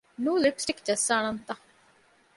ނޫ ލިޕްސްޓިކް ޖައްސާނަންތަ؟